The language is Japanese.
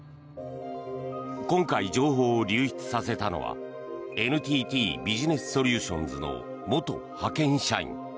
今回情報を流出させたのはＮＴＴビジネスソリューションズの元派遣社員。